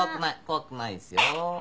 怖くないですよ。